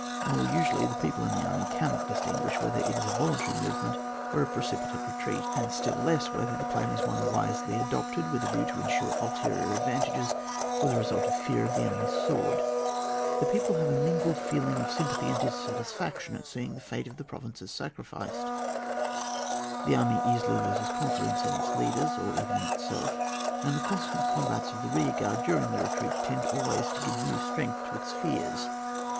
More usually, the people CHAP. XXV.] RETREAT INTO THE INTERIOR OF THE COUNTRY. 167 and the army cannot distinguish whether it is a voluntary movement or a precipi tate retreat, and still less whether the plan is one wisely adopted, with a view to ensure ulterior advantages, or the result of fear of the enemy's sword. The people have a mingled feeling of sym pathy and dissatisfaction at seeing the late of the provinces sacrificed ; the army easily loses confidence in its leaders, or even in itself, and the constant comhats of the rear guard during the retreat, tend always to give new strength to its fears.